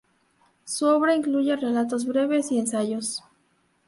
Su obra incluye relatos breves y ensayos.